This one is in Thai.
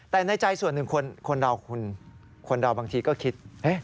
แต่ในใจส่วนหนึ่งคนเราบางทีก็คิด